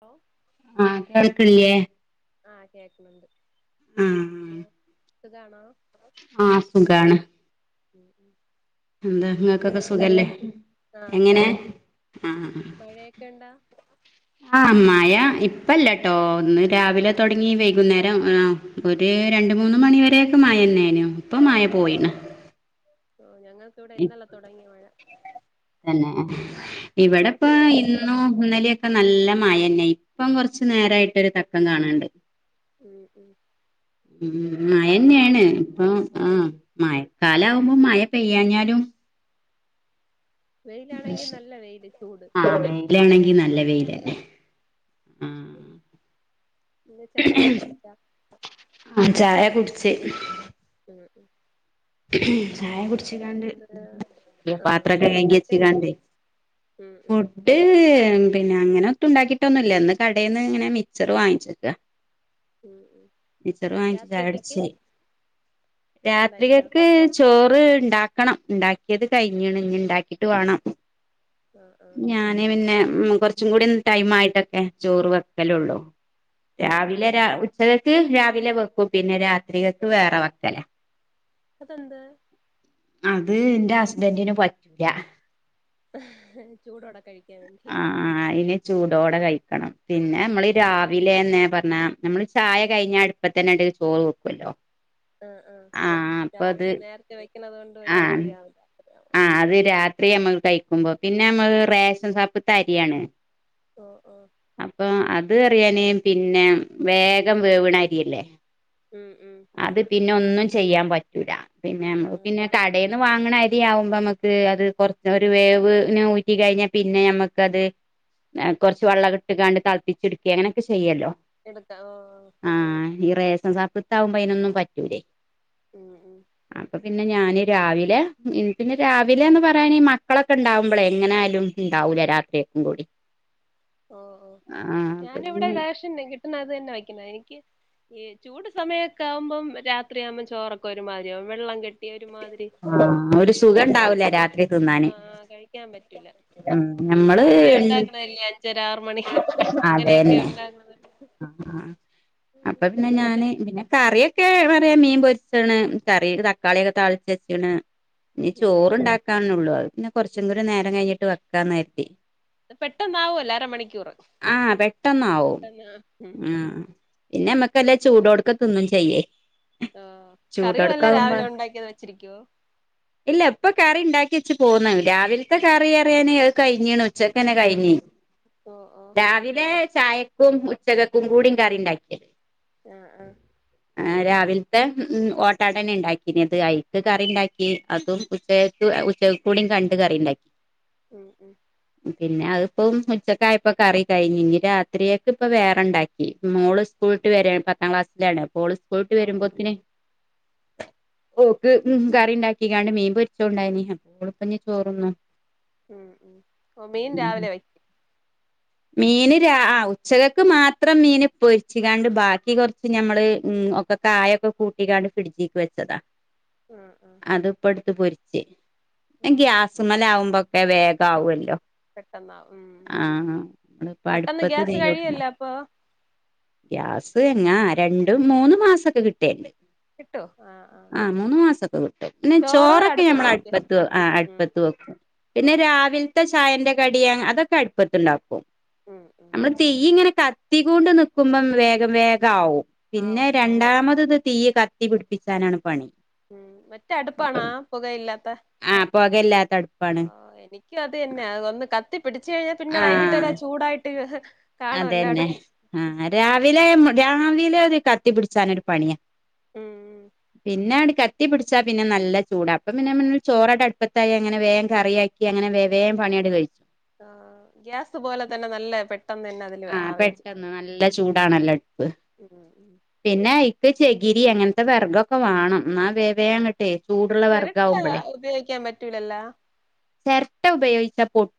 ഓ ആഹ് കേൾക്കില്യേ ആഹ് കേക്ക്ണ് ണ്ട് ആഹ് സുഖാണോ ആഹ് സുഖാണ്. ഉം ഉം എന്താ പിന്നെ നിങ്ങക്കൊക്കെ മഴയൊക്കെ സുഖല്ലേ? ഇണ്ടാ ആഹ് എങ്ങനെ സുഖം ആഹ് മഴയൊക്കെ ണ്ടാ? ആഹ് മഴ- ഇപ്പ ഇല്ലട്ടോ. ഇന്ന് രാവിലെ തുടങ്ങി, വൈകുന്നേരം ആഹ് ഒരു രണ്ടു മൂന്ന് മണിവരെയേക്കും. മഴന്നേനു. ഇപ്പ മഴ പോയിണ്. [inaudible] ഓഹ് ഞങ്ങൾക്ക് ഇവിടെ ഇന്നലെ തുടങ്ങി മഴ. തന്നെ. ഇവിടെപ്പ കുറച്ചു നേരത്തെ വരെ ഇന്നും ഇന്നലയൊ- ക്കെ നല്ല മഴന്നെ. ഇപ്പം കൊറച്ചു നേരമായിട്ട് തക്കം കാണണ്ട്. ഉം ഉം [inaudible] ഉം പിന്നെ മഴന്നെയാണ്. ഇപ്പൊ ആഹ് മഴക്കാലാകുമ്പോ മഴ പെയ്യാഞ്ഞാൽ ലും. വെയിലാണെങ്കി നല്ല വെയില്, ചൂട് ആഹ് വെയിലാണെങ്കി നല്ല വെയിലന്നെ മഴയാണെങ്കി- ഉം ഇന്ന് ചായയൊക്കെ കുടിച്ചാ? ആഹ് ചായ കുടിച്ച്. ഉം ഉം.. ചായ ആഹ് കുടിച്ചിക്കാണ്ട് പിന്നെന്ത് ആഹ് പാത്രൊക്കെ കഴുകി ഫുഡൊക്കെ വച്ചിക്കാണ്ടേ? ഉം ഉം ഫുഡ് പിന്നെ അങ്ങനെ ഒത്തും ഉണ്ടാക്കിയിട്ടൊന്നൂല്ല. ഇന്ന് കടേന്ന് ഇങ്ങനെ മിക്സ്ച്ചറ് വാങ്ങിച്ചേക്ക. ഉം ഉം രാത്രിക്കത്തേക്ക് ചായുടിച്ച് ഉണ്ടാക്കിയോ? രാത്രികക്ക് ചോറ് ഉണ്ടാക്കണം. ഉണ്ടാക്കിയത് കഴിഞ്ഞേണ്. ഇഞ്ഞീ ഉണ്ടാക്കിയിട്ട് വേണം. ആഹ് ആഹ് ഞാന് പിന്നെ. ഉം കൊറച്ചും കൂടി ടൈം ആയിട്ടൊക്കെ ചോറ് വെക്കലുള്ളൂ ഓഹ് ഓഹ് രാവിലെ രാ ഉച്ച ക്ക് രാവിലെ വെക്കും. പിന്നെ- രാത്രികക്ക് വേറെ വെക്കലാ. അത് എന്ത്? അത് എൻ്റെ ഹസ്ബൻറിന് പറ്റൂല്ല. ചൂടോടെ കഴിക്കാൻ വേണ്ടി ആഹ് ആഹ് അയിന് ചൂടോടെ കഴിക്കണം പിന്നെ നമ്മൾ രാവിലെന്നെ പറഞ്ഞാ നമ്മള് ചായ കഴിഞ്ഞാൽ അടുപ്പ തന്നെ ചോറ് വെക്കല്ലോ ആഹ് ആഹ് രാവിലെ നേരത്തെ വെക്കണത് കൊണ്ട് ആഹ് ഒരുമാതിരി ആവും രാത്രിയാവുമ്പോ ആഹ് അത് രാത്രി നമ്മക്ക് കഴിക്കുമ്പോ പിന്നെ നമ്മ റേഷൻ സാപ്പ്ത്ത അരിയാണ് ഓഹ് ഓഹ് അപ്പൊ അത് അത് അറിയാന് പിന്നെ വേഗം വേവണ അരിയല്ലേ ഉം ഉം അത് പിന്നെ ഒന്നും ചെയ്യാൻ പറ്റൂലപിന്നെ ആഹ് പിന്നെ കടേന്ന് വാങ്ങണ അ- ആവുമ്പോ നമുക്ക് അത് കുറ ഒരു വേവിന് ഊറ്റി കഴിഞ്ഞാൽ പിന്നെ നമ്മക്ക് അത് കുറച്ച് വെള്ളം ഇട്ടുകാണ്ട് തളപ്പിച്ച് എടുക്കി അങ്ങനെയൊക്കെ ചെയ്യല്ലോ എടുക്ക ഓഹ് ആഹ് ഈ റേസൻ സാപ്പ്തെ ആവുമ്പോ അതിനൊന്നും പറ്റൂലേ ഉം ഉം അപ്പൊ പിന്നെ ഞാന് രാവിലെ പിന്നെ രാവിലെന്ന് പറയാന മക്കളൊക്കെ ഉണ്ടാവുമ്പളെ എങ്ങനൊലും ഉണ്ടാവൂല രാത്രിയൊക്കും കൂടി ഓഹ് ഓഹ് ആഹ് അപ്പൊ ഞാനിവിടെ പിന്നെ റേഷൻ കിട്ടുന്ന അത് തന്നെ വയ്ക്കുന്ന എനിക്ക് ഈ ചൂട് സമയമൊക്കെ ആകുമ്പം രാത്രിയാകുമ്പോം ചോറൊക്കെ ഒരുമാതിരിയാവും വെള്ളം കെട്ടി ഒരുമാതിരി ആഹ് ഒരു സുഖം ഉണ്ടാവൂല രാത്രി തിന്നാന് ആഹ് കഴിക്കാൻ പറ്റൂല ഉം ഞമ്മള് രാവിലെ ഉണ്ടാക്കണല്ലേ അഞ്ചര ആറ് മണിക്ക് അങ്ങനെയൊക്കെ അതന്നെ ഉണ്ടാകുന്നത് ആഹ് അപ്പൊ പിന്നെ ഞാന് പിന്നെ കാ കറിയൊക്കെ പറയാ മീൻ പൊരിച്ണ് കറി തക്കാളിയൊക്കെ താളിച്ച് വെച്ണ് ഇനി ഉം ഉം ചോറുണ്ടാക്കാനള്ളു അഹ് പിന്നെ കൊറച്ചും കൂടി നേരം കഴിഞ്ഞിട്ട് വെക്കാ കരുതി പെട്ടെന്ന് അവൊല്ലോ അരമണിക്കൂറ് ആഹ് പെട്ടന്നാവും ഉം പിന്നെ മ്മക്കല്ല ചൂടോടുക്കെ തിന്നും ചെയ്യേ. കറികളെല്ലാം ചൂടോട്ക്കാവുമ്പോ രാവിലെണ്ടാക്കിയത് വെച്ചിരിക്കുവോ? ഇല്ല ഇപ്പ കറിണ്ടാക്കി വെച്ച് പോന്ന് രാവിൽത്തെ കറി റിയാന് കഴിഞ്ഞീണ് ഉച്ചക്കന്നെ കഴിഞ്ഞ്. ഓ ഓ രാവിലെ ചായക്കും ഉച്ചകക്കും കൂടി കറിണ്ടാക്കിയത്. ആ ആ ആ രാവിൽത്തെ ഉം ഓട്ടാടന്നെ ണ്ടാക്കിന് അത് കഴിച് കറി ണ്ടാക്കി അതും ഉച്ച ഉച്ചകൂടിയും കണ്ട് കറി ണ്ടാക്കി. ഉം ഉം പിന്നെ അതിപ്പം ഉച്ചക്കായപ്പ കറി കഴിഞ്ഞ് ഇനി രാത്രിയൊക്കിപ്പ വേറെണ്ടാക്കി മോള് സ്കൂ വിട്ട് വെരാൻ പത്താം ക്ലാസിലാണ് അപ്പോള്‌ സ്കൂൾ വിട്ട് ഓ ഓ വരുമ്പൊത്തന് ക്ക് കറിണ്ടാക്കികാണ്ട് മീൻ പൊരിച്ചോണ്ടായിന് അപ്പോള് കഞ്ഞി ചോറോന്നോ ഉം ഉം ഓ മീൻ ഉം രാവിലെ വെക്കും മീന് രാ ആ ഉച്ചകക്ക് മാത്രം മീന് പൊരിച്ച്കാണ്ട് ബാക്കി കൊറച്ച് ഞമ്മള് ഉം ഒക്കെ കായൊക്കെ കൂട്ടിക്കാണ്ട് പിഡിജിക്ക് വെച്ചതാ. ഉം ഉം അത്പ്പടുത്ത് പൊരിച്ച് ഓ ഓ അയ്ഗ്യാസ് മേലാകുമ്പ ക്കെ വേഗാവുല്ലോ. പെട്ടെന്നാവും ഉം പെട്ടെന്ന് നമ്മളിപ്പടുപ്പത്ത് ഗ്യാസ് തീയ്യുട്ട്ന്നാ കഴിയല്ലോ അപ്പൊ ഗ്യാസ് ത് ന്നാ രണ്ടും മൂന്ന് മാസക്കെ കിട്ടെൽണ്ട്. കിട്ടോ? ആഹ് ആഹ് ആ മൂന്നു മാസൊക്കെ കിട്ട പിന്നെ ചോറ് ചോറൊക്കെ നമ്മൾ വെക്കും അടുപ്പത്ത് ആ ഉം അടുപ്പത്ത് വെക്കും. ഓ പിന്നെ ഓ രാവിൽത്തെ ചായന്റെ കടിയ അതൊക്കെ അടുപ്പത്തിണ്ടാക്കും ഉം ഉം നമ്മള് തീയ്യിങ്ങനെ കത്തി കൊണ്ട് നിക്കുമ്പം വേഗം വേഗാവും പിന്നെ ആവും ഓ രണ്ടാമത് തീ കത്ത് തീ പിടിപ്പിചക്കാനാണ് പണി. ഉം മറ്റ അടുപ്പാണാ പുകയില്ലാത്ത? ആഹ് പൊകയില്ലാത്ത ആ അടുപ്പാണ് എനിക്കുവതന്നെ ഒന്ന് കത്തി പിടിച്ച് ച്ച്ഴിഞ്ഞാ പിന്നെ വൈകിട്ടൊരാ ചൂടായിട്ട് കാണുവല്ലോ അടു അതെന്നെ ആ ഉം രാവിലെ രാവിലോരു കത്തി പിടിച്ചാനൊരു പണിയാ. ഉം പിന്നാടെ കത്തി പിടിച്ചാ പിന്നെ നല്ല ചൂടാ അപ്പം പിന്നെ ചോറടെ അടുപ്പത്തായി അങ്ങനെ വേം കറിയാക്കി അങ്ങനെ വേംവേം പണിയടെ കഴി ആ ഗ്യാസ് പോലെ തന്നെ നല്ല പെട്ട് ആ പെട്ടെന്ന് നല്ല ചൂടാണല്ലോടുപ്പ് ചെയ്യും ഉം ഉം ആ പിന്നെ ചെകിരി അങ്ങനത്തെ വെറഗൊക്കെ വേണം. എന്നാ വേവേങ്ങട്ടെ ചൂടുള്ള ചിരട്ട വെർഗാവുമ്പഴേ ഉപയോഗിക്കാൻ പറ്റൂലല്ലോ ചെർട്ട ഉപയോഗിച്ച പൊട്ട്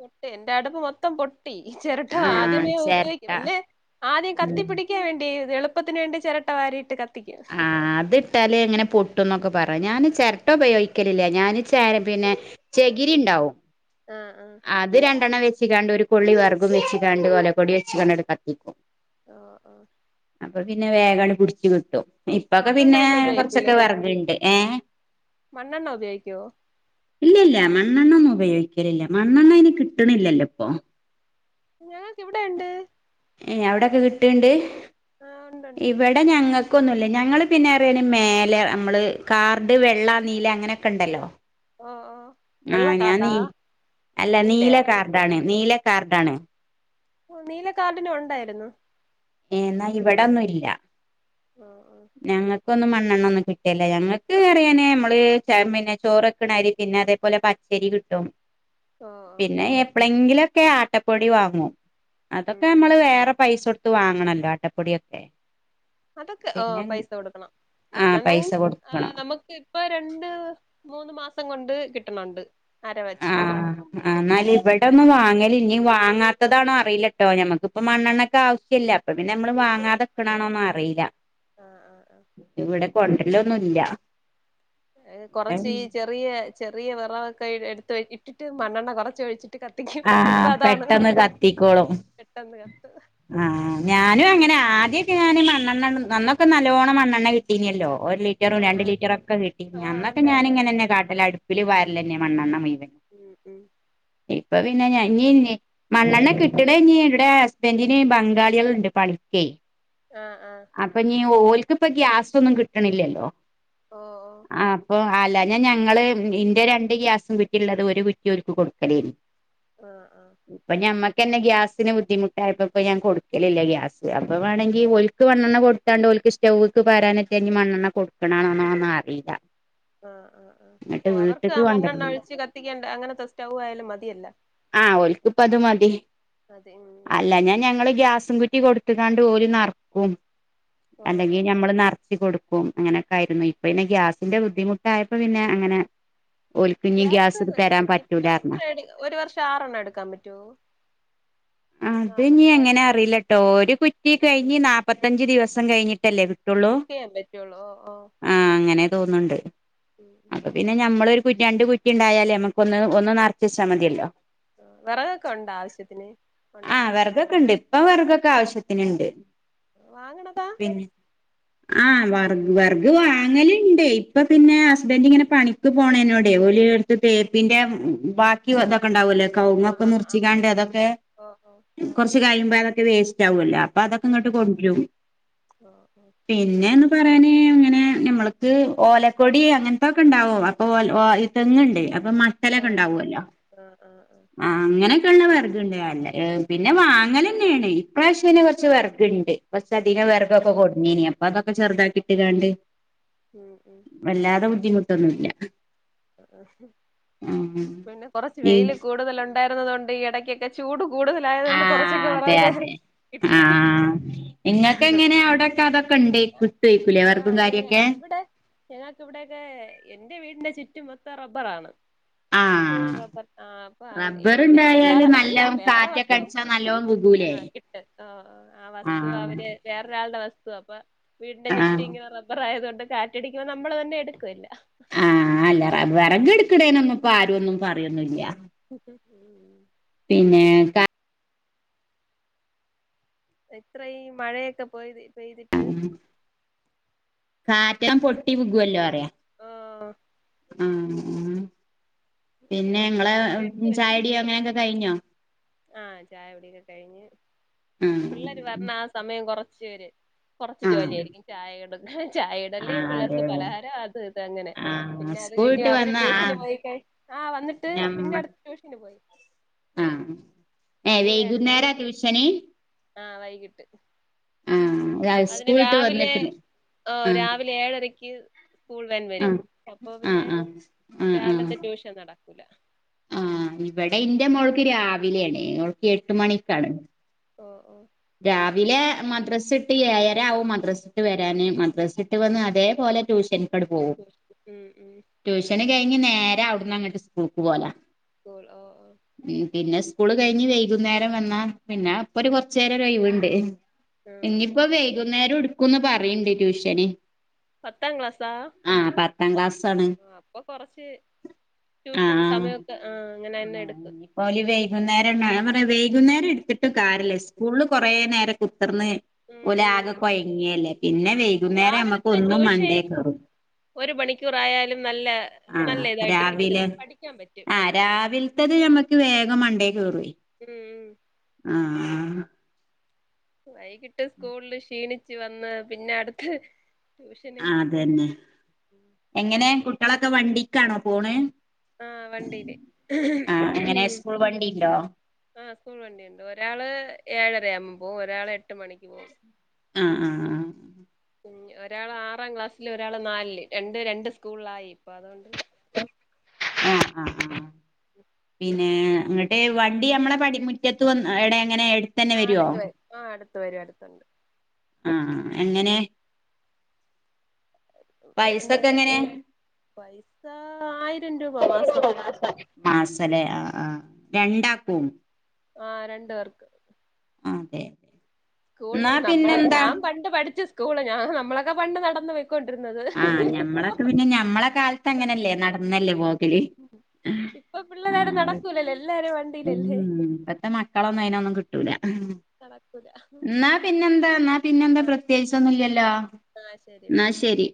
ചെർട്ടേ എന്റെടുപ്പ് മൊത്തം പൊട്ടി. ഈ ചിരട്ട ആഹ് ആദ്യമേ ചെരട്ട ഉപയോക്കും പിന്നെ ആദ്യം ഉം കത്തിപ്പിടിക്കാൻ വേണ്ടി ക്കെത് എളുപ്പത്തിന് വേണ്ടി ചെരട്ട വരിയിട്ട് കത് ആ അതിട്ടാലേ ങ്ങനെ പൊട്ടുംന്നൊക്കെ പറയാ ഞാന് ചെരട്ട ഉപയോഗിക്കലില്ല ഞാന് ചാരം പിന്നെ ചെകിരിണ്ടാവും ആ ആ അത് രണ്ടെണ്ണം വെച്ചാ ച്ചിക്കാണ്ട് ഒരു കൊള്ളി വെർഗും വെച്ച് കാണ്ട് ഓലകൊടി വെച്ച് കാണ്ടങ്ങട് കത്തിക്കും. ഓ ഓ അപ്പ പിന്നെ വേഗങ്ങ്ട് പിടിച്ച് കിട്ടും ഇപ്പൊക്കെ മണ്ണെണ്ണ പിന്നെ ഒന്നും ഉപയോഗിക്കൂലേ കൊറച്ചൊക്കെ വെറഗ്ണ്ട് ഏ? മണ്ണെണ്ണ ഉപയോഗിക്കുവോ? ഇല്ല ഇല്ല മണ്ണെണ്ണ ഒന്നും ഉപയോഗിക്കലില്ല മണ്ണെണ്ണയിന് കിട്ടണില്ലല്ലോപ്പം. ഞങ്ങക്ക് ഇവിടെണ്ട്. ഏ എവടൊക്കെ കിട്ടൽണ്ട്? ആ ഒണ്ട്ണ്ട്. ക്കൊന്നുല്ല ഞങ്ങള് പിന്നെറിയണ്‌ മേല അമ്മള് കാർഡ് വെള്ള നീല അങ്ങനെക്കെണ്ടല്ലോ. ആ ആ ആഹ് ഞാൻ നീ അല്ല നീല നീലയാ കാർഡാണ് നീല കാർഡാണ് ഒഹ് നീലക്കാർഡിനുണ്ടായിരുന്നു ഏഹ് ന്നാ ഇവിടെന്നുംല്ല ആഹ് ആഹ് പൊ ഒന്നും മണ്ണെണ്ണ ഒന്നും കിട്ടേല്ല ഞങ്ങക്ക് അറിയാനേ മ്മള് ചേ മെന്നെ ചോറക്ണരി പിന്നെ അതേപോലെ പ ച്ചരി കിട്ടും ഓ ഓ പിന്നെ എപ്പളെങ്കിലൊക്കെ ആട്ടപ്പൊടി വാങ്ങോ അതൊക്കെ ഉം അമ്മള് വേറെ പൈസ കൊടുത്ത് വാങ്ങണല്ലോ ആട്ടപ്പൊടിയൊക്കെ അതൊക്കെ ആഹ് പിന്നെ പൈസ കൊടുക്കണം ആ പൈസ മണ്ണെണ്ണയും കൊടുക്കണം ആഹ് നമുക്ക് ഇപ്പൊ രണ്ട് മൂന്ന് മാസ് സം കൊണ്ട് കിട്ടുണ്ണ്ട് അര വച് ആഹ് ന്നാല് ഇവിടെന്നും വാങ്ങല്ല്യ ഇനി വാങ്ങാത്തതാണോ അറിയില്ലട്ടോ ഞമ്മക്കിപ്പ മണ്ണെണ്ണക് ആവശ്യല്ല അപ്പ പിന്നെ അമ്മള് ആഹ് വാങ്ങാതെക്ക്ണാണോന്നു അറിയില്ല. ആഹ് ആഹ് ആഹ് ഇവിടെ കൊണ്ടര്ല്ലൊന്നുംല്ല കൊറച്ച് ഈ ചെറിയ ചെറിയ വിറൊക്കെ എടുത്ത് ഇട്ടിട്ട് മണ്ണെണ്ണ കുറച്ച് ഒഴിച്ചി റ്റ് കത്തിക്കും ഇപ്പ ആഹ് അതാണ് പെട്ടെന്ന് കത്തിക്കോളും പെട്ടെന്ന് കത്ത് ആഹ് ഞാനും അങ്ങനെ ആദ്യൊക്കെ ഞാൻ മണ്ണെണ്ണ നന്നൊക്കെ നല്ലോണ്ണം മണ്ണെണ്ണ കിട്ടീനില്ലോ ഒരു ലിറ്ററും ആഹ് രണ്ട് ആഹ് ലിറ്ററൊക്കെ കിട്ടിഞ്ഞി. ആഹ് അന്നൊക്കെ ഉണ്ടായിരുന്നു ആഹ് ഞാനിങ്ങനെന്നെ കാട്ടല അടുപ്പില് വാര്ലെന്നെ മണ്ണണ്ണ. ഉം ഉം അപ്പൊ പിന്നെഞ ഞ്ഞിന്നി മണ്ണെണ്ണ കിട്ട്ണെ ഞ്ഞീ ടെ ഹസ്ബൻറിന് ബംഗാളികളുണ്ട് പണിക്കെ. ആഹ് ആഹ് അപ്പൊ ഞ്ഞി ഓൽക്ക്പ്പ ഗ്യാസൊന്നും കിട്ട്ണില്ലല്ലോ. ഓഹ് ആഹ് അപ്പൊ ആ അല്ല ഞാ ഞങ്ങള് ഇന്റെ രണ്ട് ഗ്യാസും കുറ്റിയുള്ളത് ഒരു കുറ്റി ഓരുക്ക് കൊടുക്കലേന്നു ഓഹ് ആഹ് ഇപ്പ ഞമ്മക്ക് ഞങ്ങക്ക് തന്നെ ഗ്യാസിന് ബുദ്ധിമു ട്ടായപ്പോയിപ്പോ ഞാൻ കൊടുക്കലില്ല ഗ്യാസ് അപ്പ വേമെങ്കിൽ ഓലക്ക്മണ്ണണ്ണ കൊടുത്താണ്ട- സ്റ്റൗവക്ക് വരാനോക്കെ മണ്ണെണ്ണ കൊടുക്കണോെന്നോ ഒന്നും അറിയില്ല ആഹ ആഹ് ആഹ് എന്നിട്ട് ഓഹ് അവർക്ക് ആ വീട്ട്ക്ക് മണ്ണെണ്ണ കൊണ്ടരലില്ല ഒഴിച്ച് കത്തിക്കേണ്ട അങ്ങനത്തെ സ്റ്റവ് ആയാലും മതി ആഹ് ഓലക്ക് ഇപ്പ അത് മതി അതെ ഉം അല്ല ഞാ ഞങ്ങള് ഗ്യാസ്- ഷൻ കുറ്റി കൊടുത്തക്കാണ്ട് പോലും നറക്കും ഓഹ് അല്ലെങ്കിൽ ഓഹ് നമ്മള് നറച്ച് കൊടുക്കും അങ്ങനെയൊക്കെ ആയിരുന്നു ഇപ്പൊ പിന്നെ ഗ്യാസിന്റെ ബുദ്ധിമുട്ടായപ്പോ പിന്നെ അങ്ങനെ- ഓലിക്കിഞ്ഞഞ് ഗ്യാസ് തരാൻ ഇപ്പൊ എത്ര പറ്റൂലാരുന്നേ - എട് ഒരു വർഷം ആറെണ്ണം എടുക്കാൻ പറ്റോ നാലണം ല്ല കേട്ടോ ഒരു കുറ്റി കഴിഞ്ഞ് നാല്പ്പത്തഞ്ചച് ദിവസം കഴിഞ്ഞിട്ടല്ലേ- കിട്ടുള്ളൂ ബുക്ക് ചെയ്യാൻ പറ്റുള്ളൂ ഓഹ് ഓഹ് തോന്നുണ്ട് അപ്പ പിന്നെ നമ്മളരു രണ്ട് കുറ്റി ഉണ്ടായാല നമക്ക് ഒന്ന് ഒ- വിച്ചാൽ മതിയല്ലോ വിറകൊക്കെ ഉണ്ടോ ആവശ്യത്തിന് ഉണ്ടോ ഇപ്പ വേറകക്കൊക്കെ ആവശ്യത്തിന് ഇണ്ട് വാങ്ങണതാ ആഹ് വർ വേർഗ് വാങ്ങലുണ്ട് ഇപ്പൊ പിന്നെ ഹസ്ബൻഡ ഇങ്ങനെ പണിക്ക് പോണോടലെ - എടുത്ത് തേപ്പിന്റെ ബാക്കി അതൊക്കെ ഉണ്ടാവല്ലേ കവുങ്ങ ആഹ് ഒക്കെ ആഹ് മുറിച്ചിക്കാണ്ട് അതൊക്കെ- ആഹ് ഓ ഓ കൊറച്ച് കഴിയുമ്പോ അതൊക്കെ വേസ്റ്റ് ആവല്ലോ അപ്പൊ അതൊക്കെ ഇങ്ങോട്ട് കൊണ്ടും പിന്നെ- നമ്മക്ക് ഓലക്കൊടി അങ്ങനത്തൊക്കെ ഉണ്ടാവോ അപ്പൊ ഓത് തെങ്ങുണ്ട് അപ്പൊ ആഹ് മസലൊക്കെ ആഹ് ഉം ഉം ആഹ് ആഹ് ആഹ് ഉണ്ടാവുമല്ലോ ആഹ് ആഹ് ആഹ് അങ്ങനക്കെ ഉള്ള വർഗുണ്ട് അല്ലേ പിന്നെ വാങ്ങലന്നെയാണ് ഇപ്രാശ്യനെ കൊറച്ച് വർഗ്ണ്ട് കൊർച്ചതികം ആഹ് വെറഗൊക്കെ കൊടുങ്ങീന അപ്പൊ അതക്കെ ചെറുതാക്കിട്ട് കാണ്ട് ഉം ഉം വല്ലാതെ ബുദ്ധിമുട്ടൊന്നുവില്ല പിന്നെ കൊറച്ച് ഉം വെൽ കൂടുതലൊ ഉണ്ടായിരുന്നത കൊണ്ട് ഈ ഇടക്കൊക്കെ ചൂട് കൂടുതലായതു ആ കൊണ്ട് കുറച്ചൊക്കെ അതെ വിറകൊക്കെ അതെ ആ കിട്ടി നിങ്ങൾക്ക് എങ്ങനെയാ അവിടെക്കെ അതൊക്കെണ്ട്- ആ ആഹ് ഇവിടെ ഞങ്ങക്ക് ഇവിടെയൊക്കെ എന്റെ വീടിന്റെ ചുറ്റ- മൊത്ത റബ്ബറ ആണ് ആ ആഹ എന്റെ അല്ല റബ്ബർണ്ടായാല് വേറെ നല്ല കാറ്റൊക്കെ അടിച്ചാ നല്ലോണം ഗഗൂലേ ഓ ആ വസ്തു അവര് വേറൊരാളുടെ വസ്തു അപ്പൊ വീടിന്റെ ചുറ്റി ആഹ് ഇങ്ങനെ റബ്ബർ ആയതുകൊണ്ട് കാറ്റടിക്കുമ്പോ നമ്മള് തന്നെ എടുക്കൂല്ല ആഹ അല്ല വിറക് എടുക്കണേന ഒന്ന ഇപ്പോ ആര ഒന്നും പറയൊന്നില്ല ഉട്ട ഉ [unintelligible] പിന്നെ എത്രയും മഴയൊക്കെ പോത് പെയ്തിട്ട് കാറ്റം പൊട്ടി പകുവല്ലോ അറിയ ആ ആ പിന്നെ അങ്ങനെ ഞങ്ങള് ചായടിയോ അങ്ങനെയൊക്കെ കഴിഞ്ഞോ ആഹ ചായകുടി കഴിഞ്ഞ് ആഹ് പിള്ളര് പറഞ്ഞ ആ സമയം കൊറച്ച് കൊറച്ചു ആഹ് ജോലിയ ആയിരിക്കും ചായ- ചായ ഇടല് ആഹ് അതെ പിള്ളേർക്ക് പലഹാരം അത് ഇത് അങ്ങനെ ആഹ് പിന്നെ അത് കഴിഞ്ഞ് സ്കൂളിട്ട് അവര് വന്ന ട്യൂഷന് ആഹ് പോയി കഴിഞ്ഞിട്ട് - ആഹ വന്നിട്ട് പിന്നെ അടുത്ത് ട്യൂഷന് പോയി ആഹ ഏ വൈകുന്നേര ആ ട്യൂഷന് ആഹ് വൈകിട്ട് ആഹ അതിന് സ്കൂളിട്ട് രാവിലെ വന്നേക്കുന്നു ഓ ആഹ രാവിലെ ഏഴരക്ക് സ്കൂൾ വാൻ വരും അപ്പൊ ആഹ് പിന്നെ ആഹ് ആഹ് രാവിലത്തെ ട്യൂഷൻ നടക്കൂല ആ ഇവിടെ ഇന്റെ മോൾക്ക് രാവിലെയാണ് ഓൾക്ക് എട്ട് ആ മണിക്കാണ് ഓ ഓ രാവിലെ മദ്രസ് ഇട്ട് ഏരവും മദ്രസ് ഇട്ട് വരാന് മദ്രസി ഇട്ട് വന്ന് അതേപോലെ- പിന്നെ ട്യൂഷൻ ഉം ഉ കഴിഞ് നേരെ അവിടന്ന് അങ്ങട്ട് സ്കൂൾക്ക് പോല ഗോൾ ഹ ഓ സ്കൂള് കഴിഞ്ഞ് വൈകുന്നേരം വന്നാ പിന്നെ അപ്പൊ ഒരു കൊറച്ച നേരം ഒഴവുണ്ട് ആ ആ ഇനിപ്പോ വൈകുന്നേരം എടുക്കുന്ന് പറയണ്ട് ട്യൂഷന് പത്താം ക്ലാസാ ആഹ് പത്താം അപ്പൊ കൊറച്ച് ആ ട്യൂഷൻ ആ സമയമൊക്കെ ആ അങ്ങനെ തന്നെ എടുക്കും പോലി വൈകുന്നേരം എ പറ വൈകുന്നേരം എടുത്തിട്ട് കാര്യമില്ല സ്കൂളിൽ കൊറേ നേരം കുത്തിർന്ന് ഉം ഓല് ഉം ആക്കെ കൊഴഞ്ഞില്ലേ പിന്നെ വൈകുന്നേരം നമ്മുക്ക് രാവിലത്തെ ഒന്ന് ട്യൂഷൻ മണ്ടേ കയറും ഒരു മണിക്കൂറായാലും നല്ല ആഹ നല്ല ഇതായിട്ട് കിട്ടും രാവിലെ പഠിക്കാൻ പറ്റും ആ് രാവിലത്തത് നമ്മുക്ക് വേഗം മണ്ടേ കയറു ഉം ആഹ വൈകിട്ട് സ്കൂളില് ക്ഷീണിച്ചു വന്ന് പിന്നെ അടുത്ത്- ട്യൂഷനും ആ അതന്നെ എങ്ങനെ കുട്ടികളൊക്കെ വണ്ടിക്കാണോ പോണേ ആഹ വണ്ടിയില് എങ്ങനെ സ്കൂൾ വണ്ടിണ്ടോ ആ സ്കൂൾ വണ്ടിണ്ട് ഒരാള് ഏഴരയാവുമ്പോ പോകും ഒരാൾ എട്ട് മണിക്ക് പോകവും ആഹ ആഹ ആ ഉ ഒരാൾ ആറാം ക്ലാസ്സില് ഒരാള് നാലില് രണ്ട് രണ്ട് സ്കൂളിലായി ഇപ്പൊ അതുകൊണ്ട്- ആഹ ആഹ ആഹ പിന്നെ അങ്ങട്ട് വണ്ടി നമ്മളെ പടി മുറ്റത്ത് വന്ന് എടെ എങ്ങനെ എടുത്തന്നെ ആ വരുവോ അടുത്ത വര ആ അടുത്ത വരും അടുത്തുണ്ട് ആഹ എങ്ങനെ പൈസൊക്കെ എന്താണ് എങ്ങനെയാ. പൈസ ആയിരം രൂപ മാസം. [unintelligible] ആ രണ്ട് പേർക്ക്. ആ അതെ. സ്കൂൾ എന്നാ നമ്മളെ പിന്നെന്താ ഞാൻ പണ്ട് പഠിച്ചു സ്കൂള് ഞാൻ നമ്മളൊക്കെ പണ്ട് നടന്ന് വെ ആ ഞമ്മളൊക്കെ പിന്നെ ഞമ്മളെ കാലത്ത് അങ്ങനെയല്ലേ നടന്നല്ലേ പോ ഇപ്പൊ പിള്ളോരും നടക്കൂലല്ലോ എല്ലാരും വണ്ടി ഉം ഇപ്പത്തെ മക്കളൊന്നും അതിനൊന്നും കിട്ടൂല. നടക്കൂല എന്നാ പിന്നെന്താ നാ പിന്നെ എന്താ ആ പ്രത്യേകിച്ച് ശരി ഒന്നുമില്ലല്ലോ. ആ ശരി പിന്നെ എന്നാ ശരി.